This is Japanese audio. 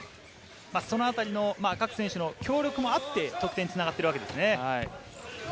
そのあたりの各選手の協力もあって得点につながっているわけですね。